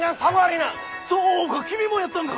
そうか君もやったんか！